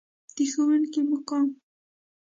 د ښوونکي مقام.